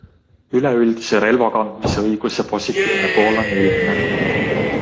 Üleüldise relvakandmise õiguse positiivne pool on ilmne.